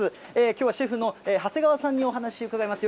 きょうはシェフの長谷川さんにお話を伺います。